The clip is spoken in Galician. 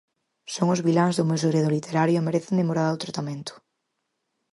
Son os viláns do meu segredo literario e merecen demorado tratamento.